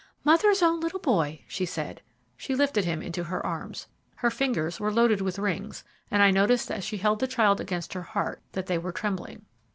"Mother's own little boy," she said. She lifted him into her arms. Her fingers were loaded with rings, and I noticed as she held the child against her heart that they were trembling.